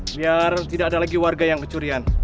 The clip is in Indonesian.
biar tidak ada lagi warga yang kecurian